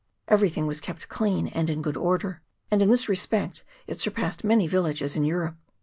Everything was kept clean and in good order, and in this respect it surpassed many villages in Europe.